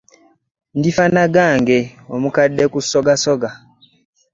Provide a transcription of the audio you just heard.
Ndifa n'agange, omukadde ku ssogassoga .